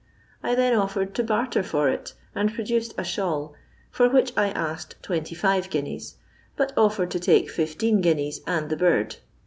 I then offered to barter for it, and produced a shawl, for which I asked twenty five ffuineas, but offered to take fifteen guineas and toe bird.